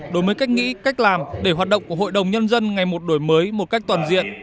đổi mới cách nghĩ cách làm để hoạt động của hội đồng nhân dân ngày một đổi mới một cách toàn diện